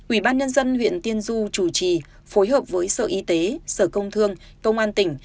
ủy ban nhân dân huyện tiên du chủ trì phối hợp với sở y tế sở công thương công an tỉnh